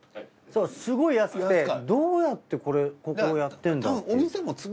すごい安くてどうやってこれここやってるんだろうっていう。